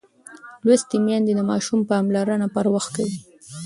لوستې میندې د ماشوم پاملرنه پر وخت کوي.